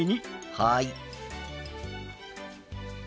はい。